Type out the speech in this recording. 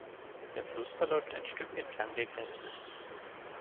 Der Fluss verläuft ein Stück entlang der Grenze.